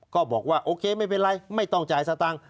ก็บอกว่าโอเคไม่เป็นไรไม่ต้องจ่ายสตางค์